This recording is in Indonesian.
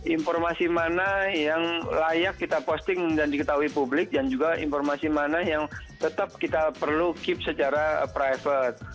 informasi mana yang layak kita posting dan diketahui publik dan juga informasi mana yang tetap kita perlu keep secara private